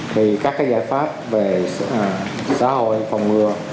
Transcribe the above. thì các cái giải pháp về xã hội phòng ngừa